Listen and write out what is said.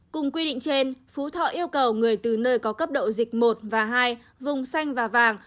cùng quy định trên phú thọ yêu cầu người từ nơi có cấp độ dịch một và hai vùng xanh và vàng